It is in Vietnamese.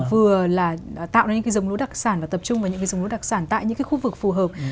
vừa là tạo nên cái giống lúa đặc sản và tập trung vào những cái giống lúa đặc sản tại những cái khu vực phù hợp